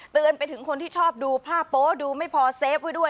เตือนไปถึงคนที่ชอบดูภาพโป๊ะดูไม่พอเซฟไว้ด้วย